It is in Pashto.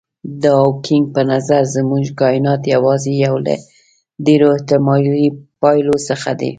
د هاوکېنګ په نظر زموږ کاینات یوازې یو له ډېرو احتمالي پایلو څخه دی.